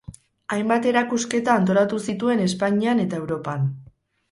Hainbat erakusketa antolatu zituen Espainian eta Europan.